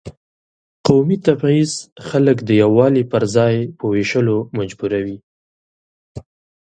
قومي تبعیض خلک د یووالي پر ځای په وېشلو مجبوروي.